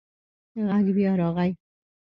غږ بیا راغی.